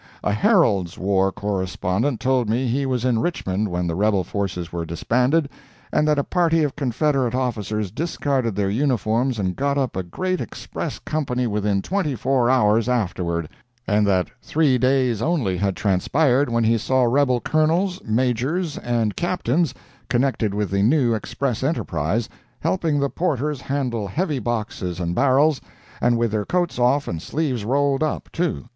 A Herald's war correspondent told me he was in Richmond when the rebel forces were disbanded, and that a party of Confederate officers discarded their uniforms and got up a great express company within twenty four hours afterward; and that three days only had transpired when he saw rebel Colonels, Majors and Captains, connected with the new express enterprise, helping the porters handle heavy boxes and barrels, and with their coats off and sleeves rolled up, too!